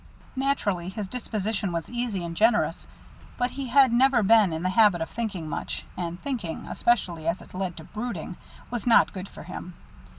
Naturally, his disposition was easy and generous, but he had never been in the habit of thinking much, and thinking, especially as it led to brooding, was not good for him.